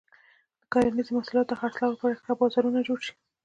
د کرنیزو محصولاتو د خرڅلاو لپاره ښه بازارونه جوړ شي.